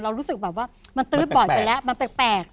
รู้สึกแบบว่ามันตื๊ดบ่อยไปแล้วมันแปลก